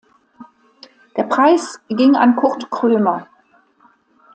Der Preis ging an Kurt Krömer.